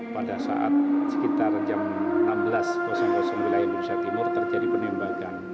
pada saat sekitar jam enam belas wilayah indonesia timur terjadi penembakan